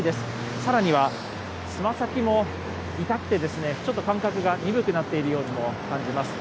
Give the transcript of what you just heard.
さらにはつま先も痛くて、ちょっと感覚が鈍くなっているようにも感じます。